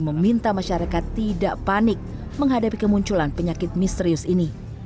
meminta masyarakat tidak panik menghadapi kemunculan penyakit misterius ini